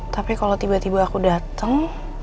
tapi kalo tiba tiba aku dateng